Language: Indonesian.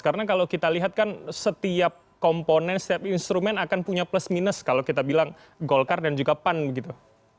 karena kalau kita lihat kan setiap komponen setiap instrumen akan punya plus minus kalau kita bilang golkar dan juga pan gitu